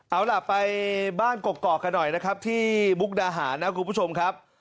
เอาล่ะไปบ้านกกอกกันหน่อยนะครับที่มุกดาหารนะคุณผู้ชมครับ